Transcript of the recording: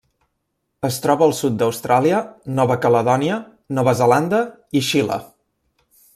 Es troba al sud d'Austràlia, Nova Caledònia, Nova Zelanda i Xile.